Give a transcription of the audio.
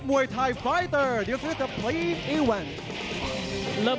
สวัสดีครับสวัสดีครับ